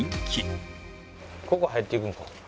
ここ入っていくんか。